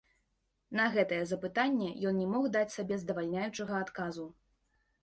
На гэтае запытанне ён не мог даць сабе здавальняючага адказу.